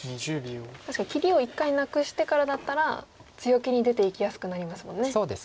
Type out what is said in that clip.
確かに切りを一回なくしてからだったら強気に出ていきやすくなりますもんね。